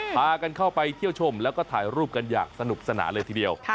พากันเข้าไปเที่ยวชมแล้วก็ถ่ายรูปกันอย่างสนุกสนานเลยทีเดียว